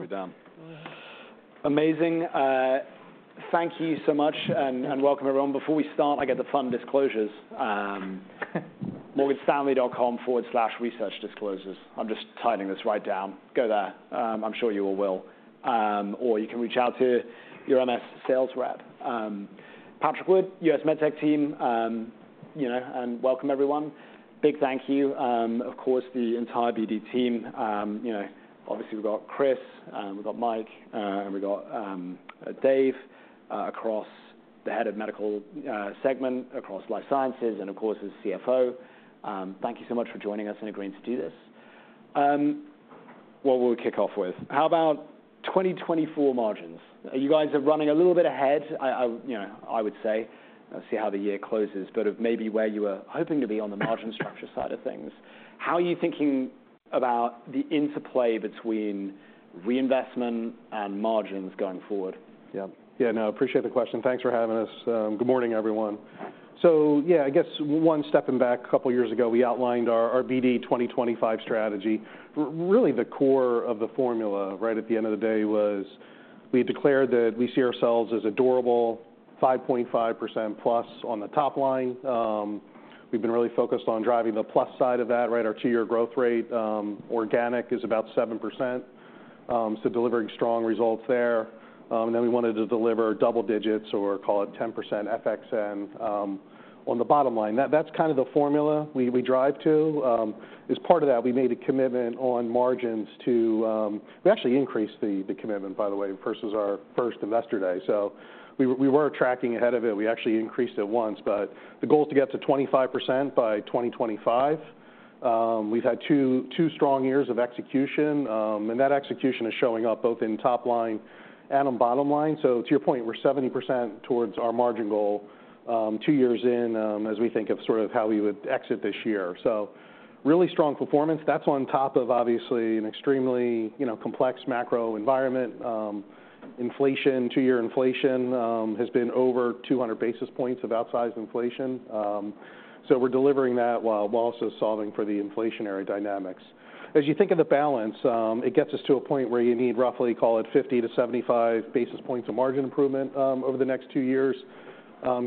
Well done. Amazing. Thank you so much and welcome, everyone. Before we start, I get the fun disclosures. morganstanley.com/researchdisclosures. I'm just typing this right down. Go there. I'm sure you all will. Or you can reach out to your MS sales rep. Patrick Wood, U.S. MedTech team, you know, and welcome everyone. Big thank you, of course, the entire BD team. You know, obviously, we've got Chris, we've got Mike, and we've got Dave, across the head of Medical segment, across Life Sciences, and of course, as CFO. Thank you so much for joining us and agreeing to do this. What we'll kick off with, how about 2024 margins? You guys are running a little bit ahead. You know, I would say, let's see how the year closes, but of maybe where you are hoping to be on the margin structure side of things. How are you thinking about the interplay between reinvestment and margins going forward? Yeah. Yeah, no, I appreciate the question. Thanks for having us. Good morning, everyone. So, yeah, I guess one stepping back, a couple of years ago, we outlined our BD 2025 strategy. Really, the core of the formula, right at the end of the day, was we declared that we see ourselves as a durable 5.5%+ on the top line. We've been really focused on driving the plus side of that, right? Our two-year growth rate, organic, is about 7%, so delivering strong results there. And then we wanted to deliver double digits, or call it 10% FXN, on the bottom line. That's kind of the formula we drive to. As part of that, we made a commitment on margins to... We actually increased the commitment, by the way, versus our first investor day. So we were tracking ahead of it. We actually increased it once, but the goal is to get to 25% by 2025. We've had two strong years of execution, and that execution is showing up both in top line and on bottom line. So to your point, we're 70% towards our margin goal, two years in, as we think of sort of how we would exit this year. So really strong performance. That's on top of obviously an extremely, you know, complex macro environment. Inflation, two-year inflation, has been over 200 basis points of outsized inflation. So we're delivering that while also solving for the inflationary dynamics. As you think of the balance, it gets us to a point where you need roughly, call it 50-75 basis points of margin improvement, over the next 2 years,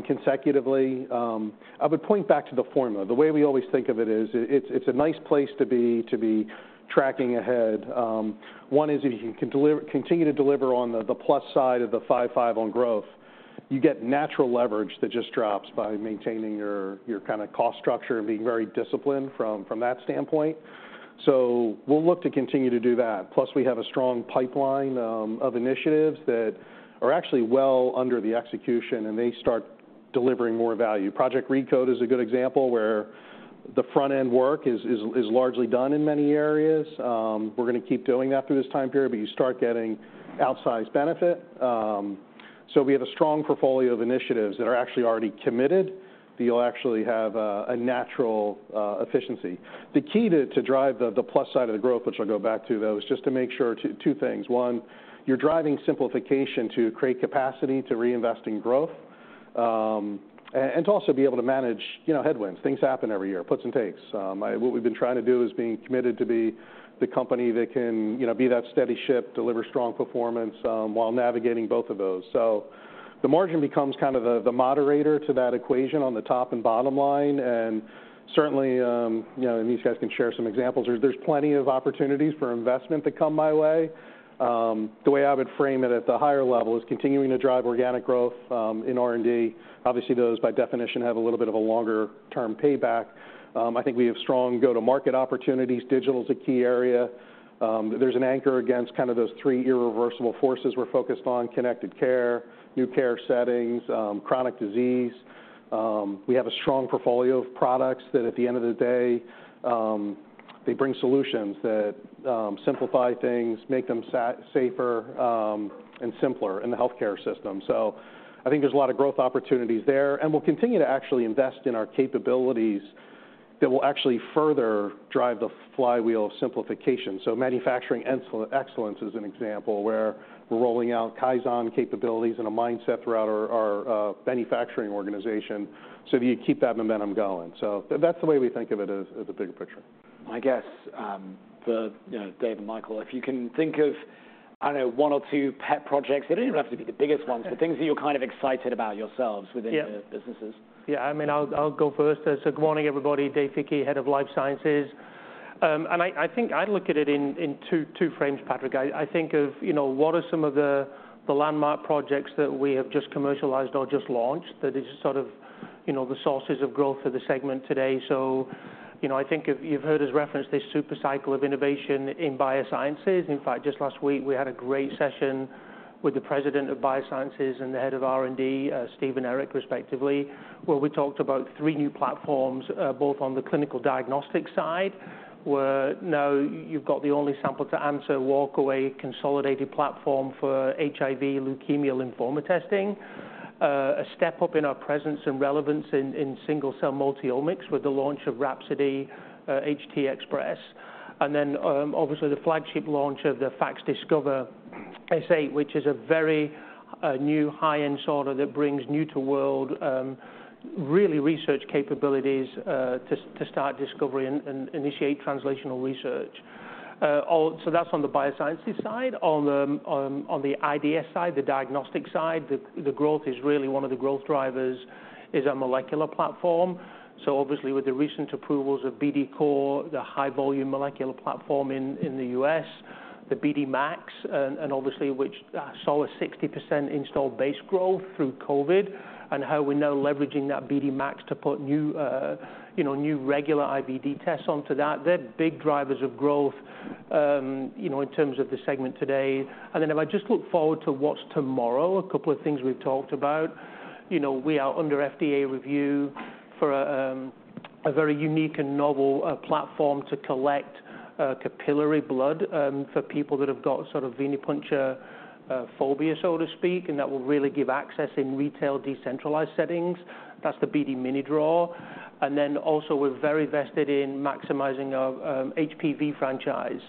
consecutively. I would point back to the formula. The way we always think of it is, it's a nice place to be tracking ahead. One is if you can continue to deliver on the plus side of the 5, 5 on growth, you get natural leverage that just drops by maintaining your kind of cost structure and being very disciplined from that standpoint. So we'll look to continue to do that. Plus, we have a strong pipeline of initiatives that are actually well under the execution, and they start delivering more value. Project Recode is a good example, where the front-end work is largely done in many areas. We're gonna keep doing that through this time period, but you start getting outsized benefit. So we have a strong portfolio of initiatives that are actually already committed, that you'll actually have a natural efficiency. The key to drive the plus side of the growth, which I'll go back to, though, is just to make sure two things: One, you're driving simplification to create capacity to reinvest in growth, and to also be able to manage, you know, headwinds. Things happen every year, puts and takes. What we've been trying to do is being committed to be the company that can, you know, be that steady ship, deliver strong performance, while navigating both of those. The margin becomes kind of the moderator to that equation on the top and bottom line, and certainly, you know, and these guys can share some examples. There's plenty of opportunities for investment that come my way. The way I would frame it at the higher level is continuing to drive organic growth in R&D. Obviously, those, by definition, have a little bit of a longer-term payback. I think we have strong go-to-market opportunities. Digital is a key area. There's an anchor against kind of those three irreversible forces. We're focused on connected care, new care settings, chronic disease. We have a strong portfolio of products that, at the end of the day, they bring solutions that simplify things, make them safer, and simpler in the healthcare system. So I think there's a lot of growth opportunities there, and we'll continue to actually invest in our capabilities that will actually further drive the flywheel of simplification. So manufacturing excellence is an example where we're rolling out Kaizen capabilities and a mindset throughout our manufacturing organization, so you keep that momentum going. So that's the way we think of it as a bigger picture. I guess, you know, Dave and Michael, if you can think of, I don't know, one or two pet projects, they don't even have to be the biggest ones, but things that you're kind of excited about yourselves within. Yeah The businesses. Yeah, I mean, I'll go first. So good morning, everybody. Dave Hickey, Head of Life Sciences. And I think I look at it in two frames, Patrick. I think of, you know, what are some of the landmark projects that we have just commercialized or just launched that is sort of, you know, the sources of growth for the segment today. So, you know, I think you've heard us reference this super cycle of innovation in Biosciences. In fact, just last week, we had a great session with the president of Biosciences and the head of R&D, Steve and Eric, respectively, where we talked about three new platforms, both on the clinical diagnostic side, where now you've got the only sample-to-answer walkaway consolidated platform for HIV, leukemia, lymphoma testing. A step up in our presence and relevance in single-cell multi-omics with the launch of Rhapsody HT Xpress, and then obviously the flagship launch of the FACSDiscover S8, which is a very new high-end sorter that brings new to world really research capabilities to start discovery and initiate translational research. Also, that's on the Biosciences side. On the IDS side, the diagnostic side, the growth is really one of the growth drivers, is our molecular platform. So obviously, with the recent approvals of BD COR, the high-volume molecular platform in the U.S., the BD MAX, and obviously, which saw a 60% installed base growth through COVID, and how we're now leveraging that BD MAX to put new, you know, new regular IVD tests onto that. They're big drivers of growth, you know, in terms of the segment today. And then if I just look forward to what's tomorrow, a couple of things we've talked about. You know, we are under FDA review for a very unique and novel platform to collect capillary blood for people that have got sort of venipuncture phobia, so to speak, and that will really give access in retail decentralized settings. That's the BD MiniDraw. And then also, we're very vested in maximizing our HPV franchise.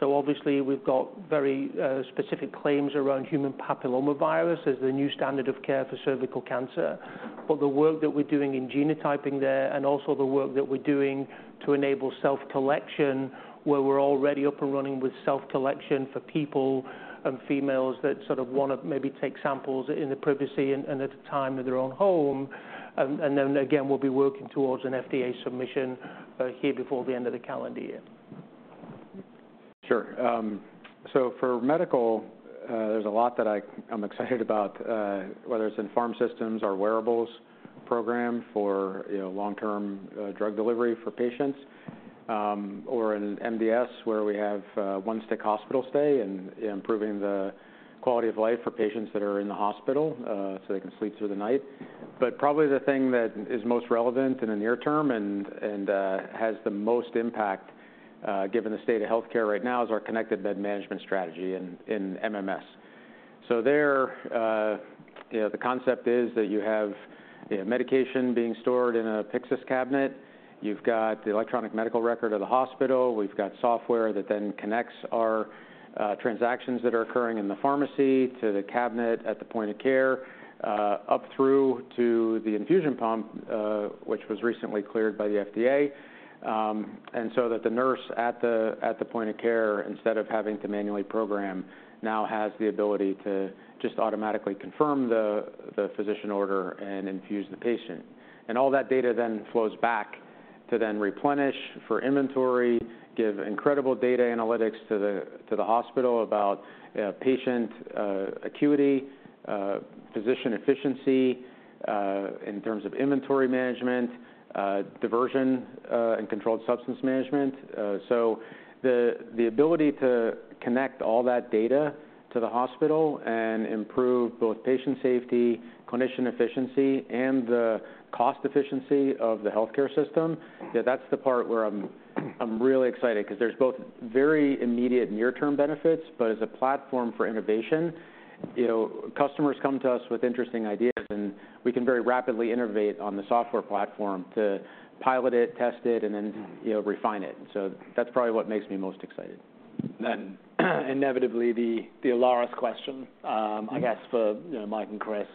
So obviously, we've got very specific claims around human papillomavirus as the new standard of care for cervical cancer. But the work that we're doing in genotyping there, and also the work that we're doing to enable self-collection, where we're already up and running with self-collection for people and females that sort of want to maybe take samples in the privacy and at the time of their own home. And then again, we'll be working towards an FDA submission here before the end of the calendar year. Sure. So for medical, there's a lot that I'm excited about, whether it's in Pharm Systems or wearables program for, you know, long-term drug delivery for patients, or in MDS, where we have One-Stick Hospital Stay and improving the quality of life for patients that are in the hospital, so they can sleep through the night. But probably the thing that is most relevant in the near term and has the most impact, given the state of healthcare right now, is our connected bed management strategy in MMS. So there, you know, the concept is that you have, you know, medication being stored in a Pyxis cabinet. You've got the electronic medical record of the hospital. We've got software that then connects our transactions that are occurring in the pharmacy to the cabinet at the point of care, up through to the infusion pump, which was recently cleared by the FDA. And so that the nurse at the point of care, instead of having to manually program, now has the ability to just automatically confirm the physician order and infuse the patient. And all that data then flows back to then replenish for inventory, give incredible data analytics to the hospital about patient acuity, physician efficiency, in terms of inventory management, diversion, and controlled substance management. So the ability to connect all that data to the hospital and improve both patient safety, clinician efficiency, and the cost efficiency of the healthcare system, yeah, that's the part where I'm really excited because there's both very immediate near-term benefits, but as a platform for innovation, you know, customers come to us with interesting ideas, and we can very rapidly innovate on the software platform to pilot it, test it, and then, you know, refine it. So that's probably what makes me most excited. Then, inevitably, the Alaris question, I guess, for, you know, Mike and Chris.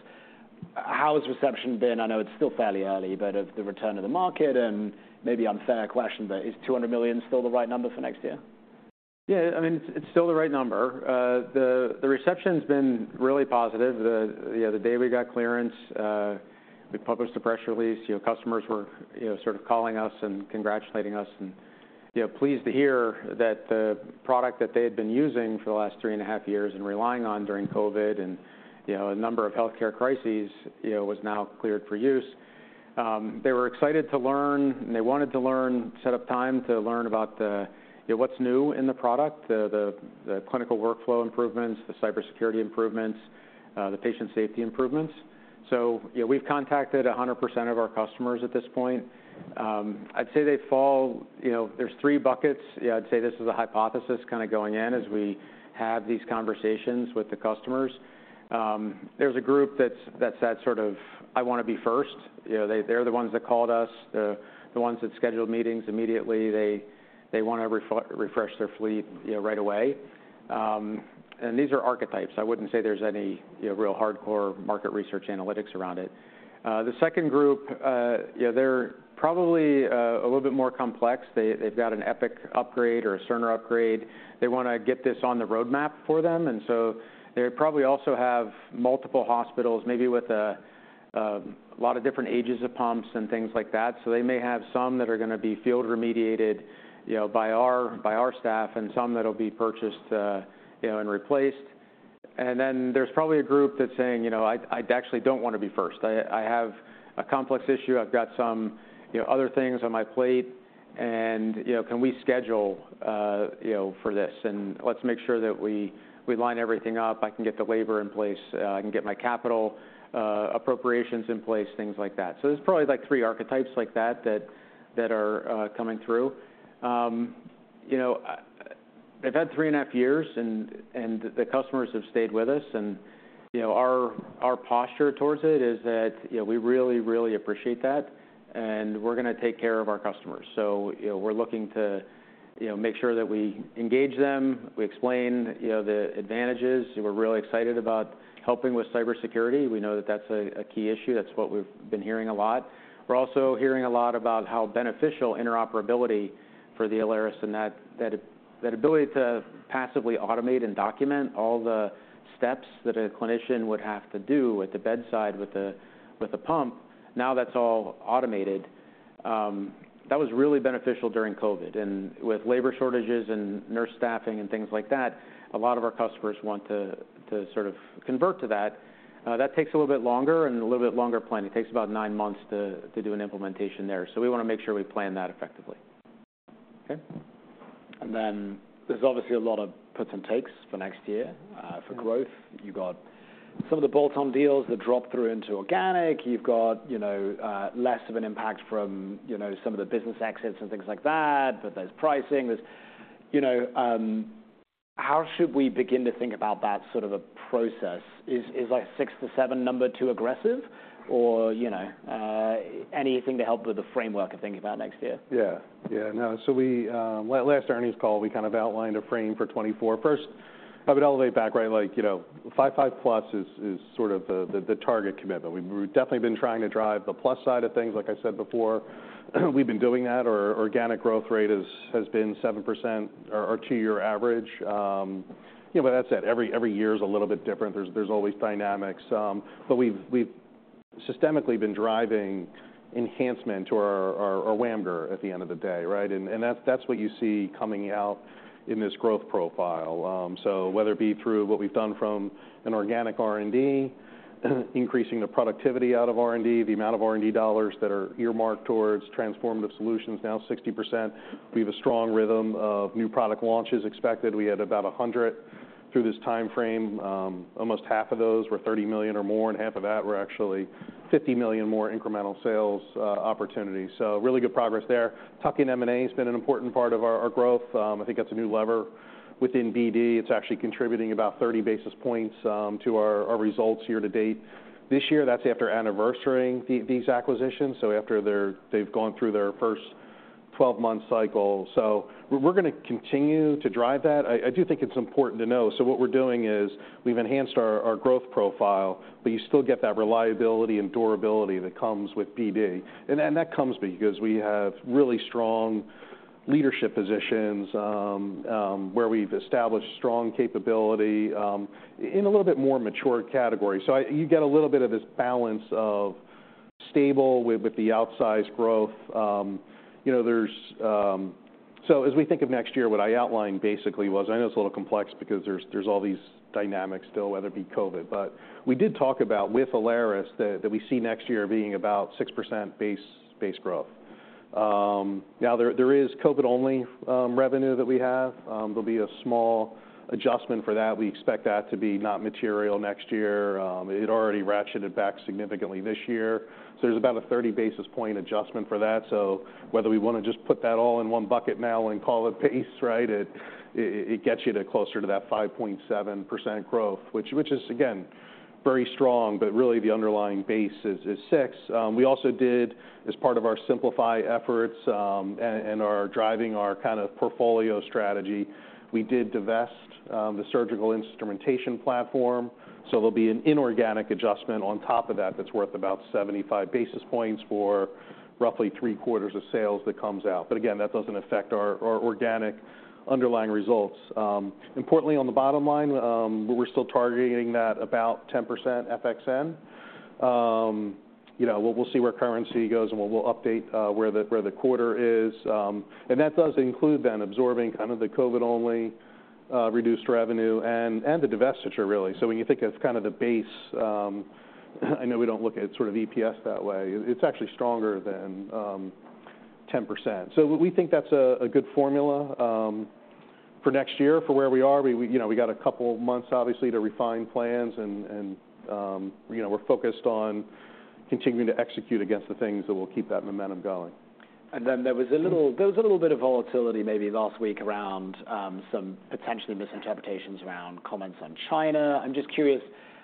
How has reception been? I know it's still fairly early, but of the return of the market, and maybe unfair question, but is $200 million still the right number for next year? Yeah, I mean, it's still the right number. The reception's been really positive. You know, the day we got clearance, we published a press release. You know, customers were, you know, sort of calling us and congratulating us and, you know, pleased to hear that the product that they had been using for the last 3.5 years and relying on during COVID and, you know, a number of healthcare crises, you know, was now cleared for use. They were excited to learn, and they wanted to learn, set up time to learn about the, you know, what's new in the product, the clinical workflow improvements, the cybersecurity improvements, the patient safety improvements. So, you know, we've contacted 100% of our customers at this point. I'd say they fall... You know, there's 3 buckets. Yeah, I'd say this is a hypothesis kind of going in as we have these conversations with the customers. There's a group that's that sort of, "I want to be first." You know, they're the ones that called us, the ones that scheduled meetings immediately. They want to refresh their fleet, you know, right away. And these are archetypes. I wouldn't say there's any, you know, real hardcore market research analytics around it. The second group, you know, they're probably a little bit more complex. They've got an Epic upgrade or a Cerner upgrade. They wanna get this on the roadmap for them, and so they probably also have multiple hospitals, maybe with a lot of different ages of pumps and things like that. So they may have some that are gonna be field remediated, you know, by our staff and some that'll be purchased, you know, and replaced. And then there's probably a group that's saying: "You know, I actually don't want to be first. I have a complex issue. I've got some, you know, other things on my plate and, you know, can we schedule for this? And let's make sure that we line everything up. I can get the labor in place. I can get my capital appropriations in place, things like that." So there's probably, like, three archetypes like that that are coming through. You know, they've had 3.5 years, and the customers have stayed with us, and, you know, our posture towards it is that, you know, we really, really appreciate that, and we're gonna take care of our customers. So, you know, we're looking to. You know, make sure that we engage them, we explain, you know, the advantages. We're really excited about helping with cybersecurity. We know that that's a key issue. That's what we've been hearing a lot. We're also hearing a lot about how beneficial interoperability for the Alaris and that ability to passively automate and document all the steps that a clinician would have to do at the bedside with the pump, now that's all automated. That was really beneficial during COVID. And with labor shortages and nurse staffing and things like that, a lot of our customers want to sort of convert to that. That takes a little bit longer and a little bit longer plan. It takes about nine months to do an implementation there, so we wanna make sure we plan that effectively. Okay. And then there's obviously a lot of puts and takes for next year for growth. You've got some of the bolt-on deals that drop through into organic. You've got, you know, less of an impact from, you know, some of the business exits and things like that, but there's pricing. There's, you know, how should we begin to think about that sort of a process? Is like 6-7 number too aggressive or, you know, anything to help with the framework of thinking about next year? Yeah. Yeah, no. So we... Last earnings call, we kind of outlined a frame for 2024. First, I would elevate back, right? Like, you know, 5, 5+ is sort of the target commitment. We've definitely been trying to drive the plus side of things, like I said before. We've been doing that. Our organic growth rate has been 7%, our two-year average. Yeah, but that's it. Every year is a little bit different. There's always dynamics. But we've systemically been driving enhancement to our WAMGR at the end of the day, right? And that's what you see coming out in this growth profile. So whether it be through what we've done from an organic R&D, increasing the productivity out of R&D, the amount of R&D dollars that are earmarked towards transformative solutions, now 60%. We have a strong rhythm of new product launches expected. We had about 100 through this time frame. Almost half of those were $30 million or more, and half of that were actually $50 million more incremental sales opportunities. So really good progress there. Tuck-in M&A has been an important part of our growth. I think that's a new lever within BD. It's actually contributing about 30 basis points to our results year to date. This year, that's after anniversarying these acquisitions, so after they've gone through their first 12-month cycle. So we're gonna continue to drive that. I do think it's important to know. So what we're doing is we've enhanced our growth profile, but you still get that reliability and durability that comes with BD. And then that comes because we have really strong leadership positions, where we've established strong capability in a little bit more mature category. So you get a little bit of this balance of stable with the outsized growth. You know, there's... So as we think of next year, what I outlined basically was. I know it's a little complex because there's all these dynamics still, whether it be COVID. But we did talk about with Alaris, that we see next year being about 6% base growth. Now, there is COVID-only revenue that we have. There'll be a small adjustment for that. We expect that to be not material next year. It already ratcheted back significantly this year, so there's about a 30 basis point adjustment for that. So whether we want to just put that all in one bucket now and call it pace, right, it gets you closer to that 5.7% growth, which is again, very strong, but really the underlying base is 6%. We also did, as part of our simplify efforts, and are driving our kind of portfolio strategy, we did divest the surgical instrumentation platform, so there'll be an inorganic adjustment on top of that that's worth about 75 basis points for roughly three-quarters of sales that comes out. But again, that doesn't affect our organic underlying results. Importantly, on the bottom line, we're still targeting that about 10% FXN. You know, we'll see where currency goes, and we'll update where the quarter is. And that does include then absorbing kind of the COVID-only reduced revenue and the divestiture, really. So when you think of kind of the base, I know we don't look at sort of EPS that way. It's actually stronger than 10%. So we think that's a good formula for next year. For where we are, we you know, we got a couple of months, obviously, to refine plans and you know, we're focused on continuing to execute against the things that will keep that momentum going. There was a little bit of volatility maybe last week around some potentially misinterpretations around comments on China. I'm just curious,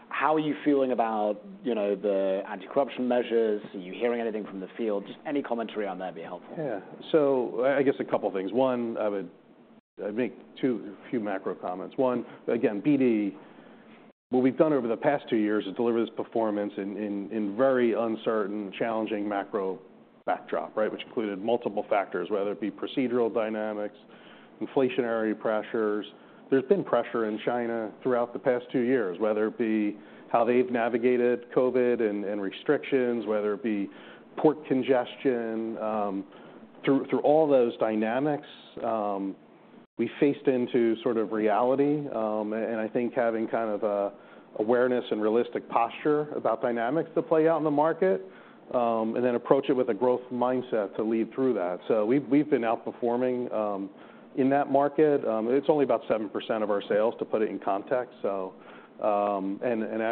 how are you feeling about, you know, the anti-corruption measures? Are you hearing anything from the field? Just any commentary on that would be helpful. Yeah. So I guess a couple things. One, I'd make a few macro comments. One, again, BD, what we've done over the past two years is deliver this performance in very uncertain, challenging macro backdrop, right? Which included multiple factors, whether it be procedural dynamics, inflationary pressures. There's been pressure in China throughout the past two years, whether it be how they've navigated COVID and restrictions, whether it be port congestion. Through all those dynamics, we faced into sort of reality, and I think having an awareness and realistic posture about dynamics that play out in the market, and then approach it with a growth mindset to lead through that. So we've been outperforming in that market. It's only about 7% of our sales, to put it in context. So...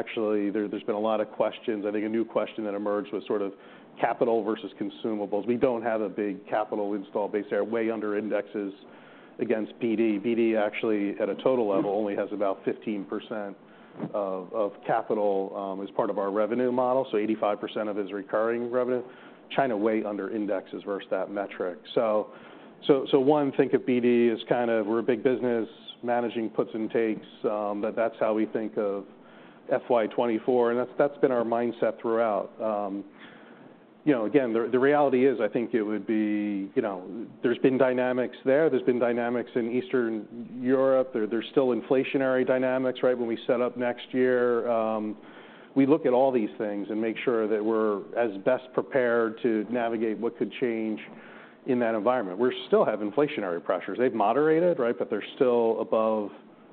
Actually, there's been a lot of questions. I think a new question that emerged was sort of capital versus consumables. We don't have a big capital install base there, way under indexes against BD. BD actually, at a total level, only has about 15% of capital as part of our revenue model, so 85% of it is recurring revenue. China way under indexes versus that metric. So, one, think of BD as kind of we're a big business, managing puts and takes, but that's how we think of FY 2024, and that's been our mindset throughout. You know, again, the reality is, I think it would be, you know, there's been dynamics there. There's been dynamics in Eastern Europe. There's still inflationary dynamics, right? When we set up next year, we look at all these things and make sure that we're as best prepared to navigate what could change in that environment. We still have inflationary pressures. They've moderated, right? But they're still above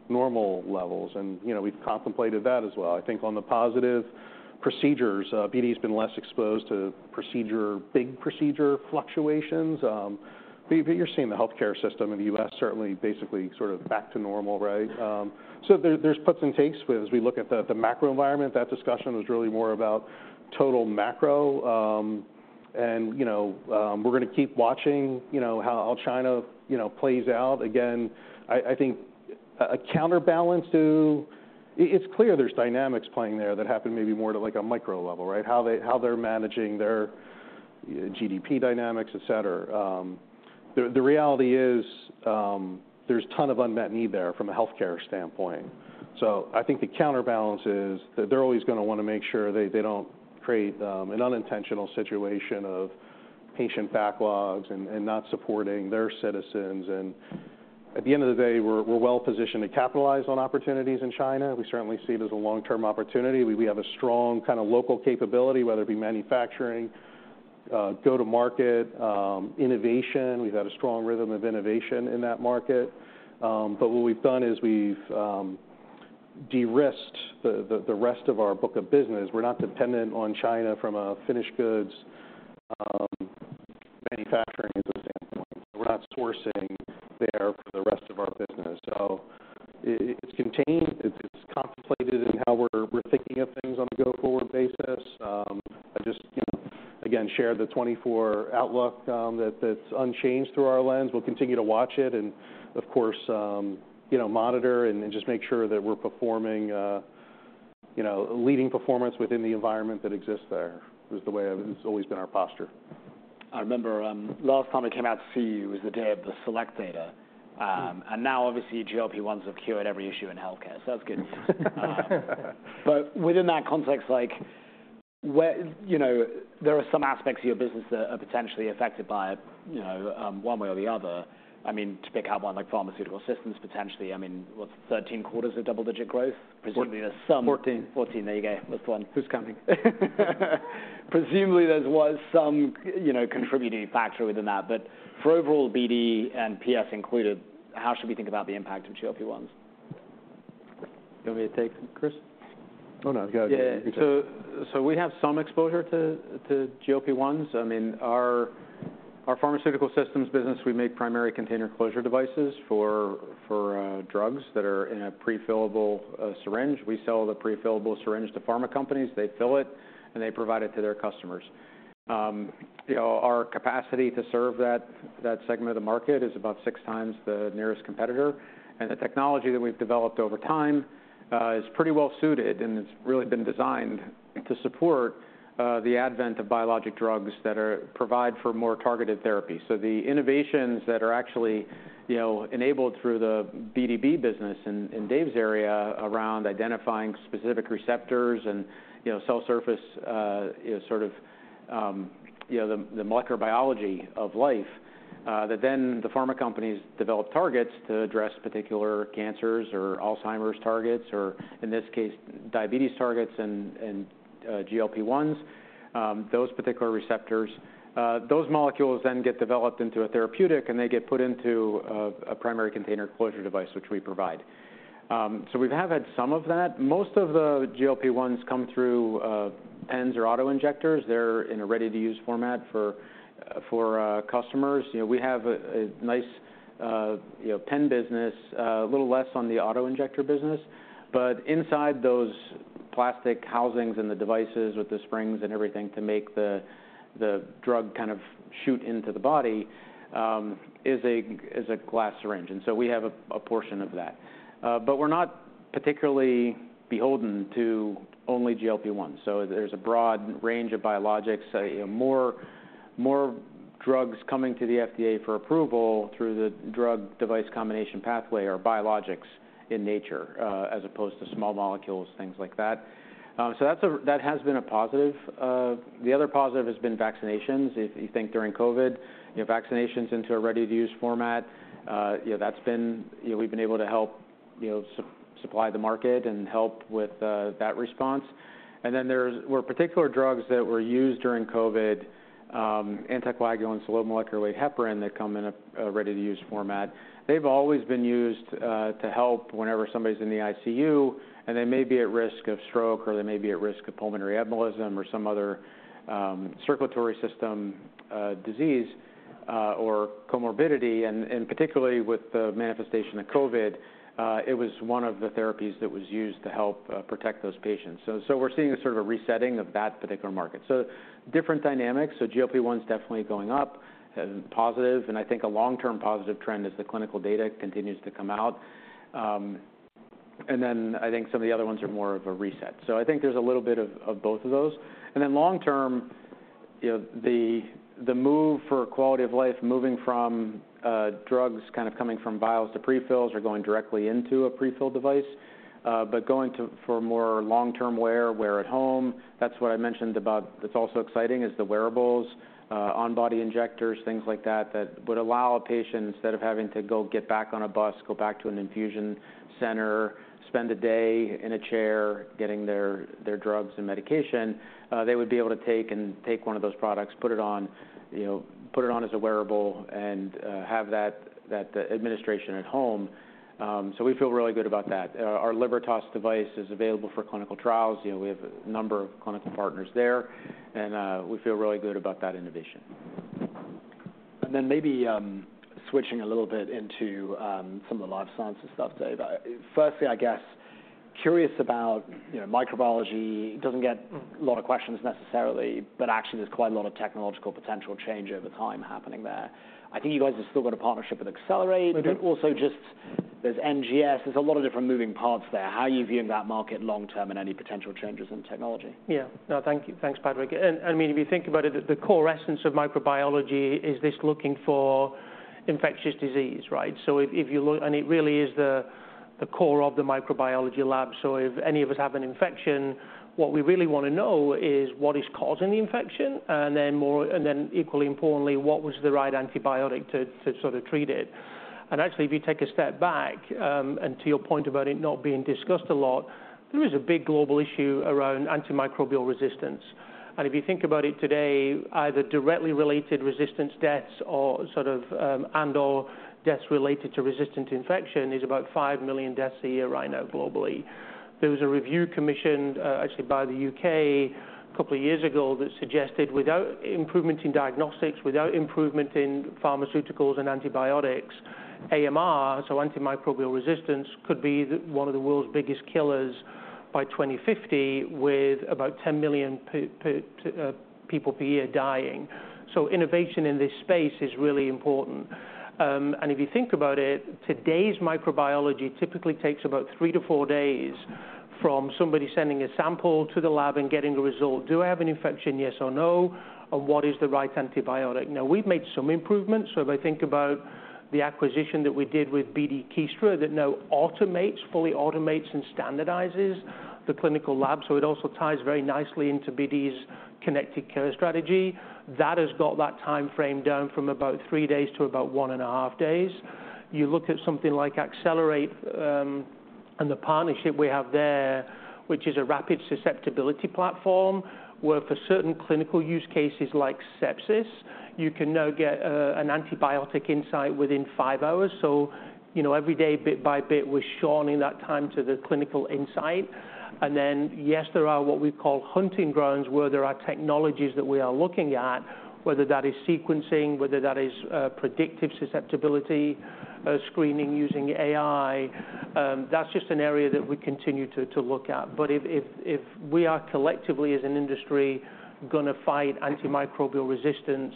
normal levels, and, you know, we've contemplated that as well. I think on the positive procedures, BD's been less exposed to procedure - big procedure fluctuations. But you're seeing the healthcare system in the U.S. certainly basically sort of back to normal, right? So there's puts and takes. As we look at the macro environment, that discussion was really more about total macro. And you know, we're gonna keep watching, you know, how China plays out. Again, I think a counterbalance to... It's clear there's dynamics playing there that happen maybe more to, like, a micro level, right? How they're managing their GDP dynamics, et cetera. The reality is, there's a ton of unmet need there from a healthcare standpoint. So I think the counterbalance is that they're always gonna wanna make sure they don't create an unintentional situation of patient backlogs and not supporting their citizens. At the end of the day, we're well positioned to capitalize on opportunities in China. We certainly see it as a long-term opportunity. We have a strong kind of local capability, whether it be manufacturing, go-to-market, innovation. We've had a strong rhythm of innovation in that market. But what we've done is we've de-risked the rest of our book of business. We're not dependent on China from a finished goods manufacturing standpoint. We're not sourcing there for the rest of our business. So it's contained. It's contemplated in how we're thinking of things on a go-forward basis. I just, you know, again, shared the 2024 outlook, that's unchanged through our lens. We'll continue to watch it and, of course, you know, monitor and just make sure that we're performing, you know, leading performance within the environment that exists there, is the way... It's always been our posture. I remember, last time I came out to see you was the day of the SELECT data. And now obviously, GLP-1s have cured every issue in healthcare, so that's good news. But within that context, like, where... You know, there are some aspects of your business that are potentially affected by it, you know, one way or the other. I mean, to pick out one, like pharmaceutical systems, potentially, I mean, what, 13 quarters of double-digit growth? Presumably, there's some- 14. 14, there you go. That's the one. Who's counting? Presumably, there was some, you know, contributing factor within that. But for overall BD and PS included, how should we think about the impact of GLP-1s? You want me to take this, Chris? No, no, go ahead. Yeah. So we have some exposure to GLP-1s. I mean, our pharmaceutical systems business, we make primary container closure devices for drugs that are in a prefillable syringe. We sell the prefillable syringe to pharma companies. They fill it, and they provide it to their customers. You know, our capacity to serve that segment of the market is about six times the nearest competitor, and the technology that we've developed over time is pretty well suited, and it's really been designed to support the advent of biologic drugs that provide for more targeted therapy. So the innovations that are actually, you know, enabled through the BD's business in Dave's area around identifying specific receptors and, you know, cell surface, you know, sort of, you know, the microbiology of life, that then the pharma companies develop targets to address particular cancers or Alzheimer's targets or, in this case, diabetes targets and, GLP-1s, those particular receptors. Those molecules then get developed into a therapeutic, and they get put into a primary container closure device, which we provide. So we have had some of that. Most of the GLP-1s come through pens or auto injectors. They're in a ready-to-use format for customers. You know, we have a nice, you know, pen business, a little less on the auto injector business, but inside those plastic housings and the devices with the springs and everything to make the drug kind of shoot into the body, is a glass syringe, and so we have a portion of that. But we're not particularly beholden to only GLP-1, so there's a broad range of biologics. You know, more drugs coming to the FDA for approval through the drug device combination pathway are biologics in nature, as opposed to small molecules, things like that. So that's a... That has been a positive. The other positive has been vaccinations. If you think during COVID, you know, vaccinations into a ready-to-use format, you know, that's been... You know, we've been able to help, you know, supply the market and help with that response. And then there were particular drugs that were used during COVID, anticoagulants, low-molecular-weight heparin, that come in a ready-to-use format. They've always been used to help whenever somebody's in the ICU, and they may be at risk of stroke, or they may be at risk of pulmonary embolism or some other circulatory system disease or comorbidity. And particularly with the manifestation of COVID, it was one of the therapies that was used to help protect those patients. So we're seeing a sort of a resetting of that particular market. So different dynamics. So GLP-1's definitely going up, positive, and I think a long-term positive trend as the clinical data continues to come out. And then I think some of the other ones are more of a reset. So I think there's a little bit of both of those. And then long term, you know, the move for quality of life, moving from drugs, kind of coming from vials to pre-fills or going directly into a pre-filled device, but going to for more long-term wear at home, that's what I mentioned about. That's also exciting, is the wearables, on-body injectors, things like that, that would allow a patient, instead of having to go get back on a bus, go back to an infusion center, spend a day in a chair getting their drugs and medication, they would be able to take one of those products, put it on, you know, put it on as a wearable, and have that administration at home. We feel really good about that. Our Libertas device is available for clinical trials. You know, we have a number of clinical partners there, and we feel really good about that innovation. And then maybe, switching a little bit into, some of the life sciences stuff, Dave. Firstly, I guess, curious about, you know, microbiology doesn't get a lot of questions necessarily, but actually there's quite a lot of technological potential change over time happening there. I think you guys have still got a partnership with Accelerate. We do. But also just there's NGS, there's a lot of different moving parts there. How are you viewing that market long term and any potential changes in technology? Yeah. No, thank you. Thanks, Patrick. And I mean, if you think about it, the core essence of microbiology is this looking for infectious disease, right? So if you look, and it really is the core of the microbiology lab. So if any of us have an infection, what we really want to know is what is causing the infection, and then more, and then equally importantly, what was the right antibiotic to sort of treat it. And actually, if you take a step back, and to your point about it not being discussed a lot, there is a big global issue around antimicrobial resistance. And if you think about it today, either directly related resistance deaths or sort of, and/or deaths related to resistant infection is about 5 million deaths a year right now, globally. There was a review commissioned, actually by the U.K. a couple of years ago, that suggested without improvement in diagnostics, without improvement in pharmaceuticals and antibiotics, AMR, so antimicrobial resistance, could be one of the world's biggest killers by 2050, with about 10 million people per year dying. So innovation in this space is really important. And if you think about it, today's microbiology typically takes about 3-4 days from somebody sending a sample to the lab and getting a result. Do I have an infection, yes or no, and what is the right antibiotic? Now, we've made some improvements, so if I think about the acquisition that we did with BD Kiestra, that now automates, fully automates and standardizes the clinical lab. So it also ties very nicely into BD's connected care strategy. That has got that time frame down from about three days to about 1.5 days. You look at something like Accelerate, and the partnership we have there, which is a rapid susceptibility platform, where for certain clinical use cases like sepsis, you can now get an antibiotic insight within 5 hours. So, you know, every day, bit by bit, we're shortening that time to the clinical insight. And then, yes, there are what we call hunting grounds, where there are technologies that we are looking at, whether that is sequencing, whether that is predictive susceptibility screening using AI. That's just an area that we continue to look at. But if we are collectively as an industry gonna fight antimicrobial resistance,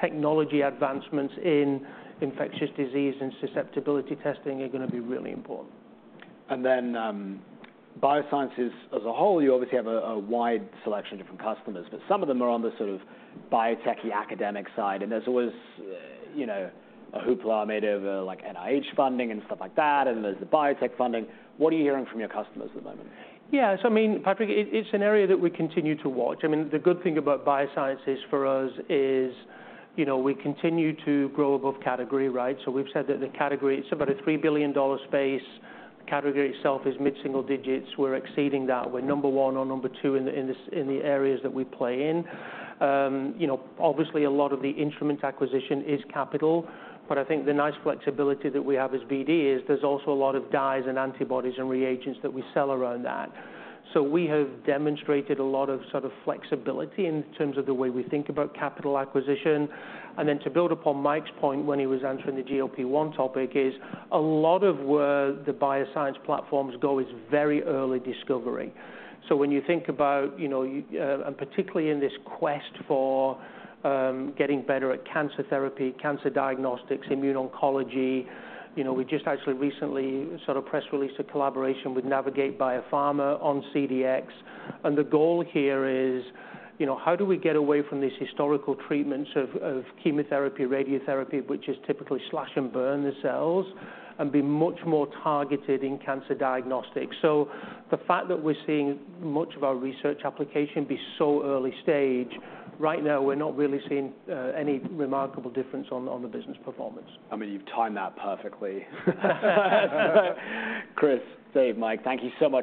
technology advancements in infectious disease and susceptibility testing are gonna be really important. Then, Biosciences as a whole, you obviously have a wide selection of different customers, but some of them are on the sort of biotechy academic side, and there's always, you know, a hoopla made over, like, NIH funding and stuff like that, and there's the biotech funding. What are you hearing from your customers at the moment? Yeah, so I mean, Patrick, it’s an area that we continue to watch. I mean, the good thing about Biosciences for us is, you know, we continue to grow above category, right? So we’ve said that the category, it’s about a $3 billion space. The category itself is mid-single digits. We’re exceeding that. We’re number one or number two in the areas that we play in. You know, obviously a lot of the instrument acquisition is capital, but I think the nice flexibility that we have as BD is there’s also a lot of dyes and antibodies and reagents that we sell around that. So we have demonstrated a lot of sort of flexibility in terms of the way we think about capital acquisition. And then to build upon Mike's point, when he was answering the GLP-1 topic, is a lot of where the bioscience platforms go is very early discovery. So when you think about, you know, and particularly in this quest for, getting better at cancer therapy, cancer diagnostics, immuno-oncology, you know, we just actually recently sort of press released a collaboration with Navigate BioPharma on CDx. And the goal here is, you know, how do we get away from these historical treatments of chemotherapy, radiotherapy, which is typically slash and burn the cells, and be much more targeted in cancer diagnostics? So the fact that we're seeing much of our research application be so early stage, right now, we're not really seeing any remarkable difference on the business performance. I mean, you've timed that perfectly. Chris, Dave, Mike, thank you so much for-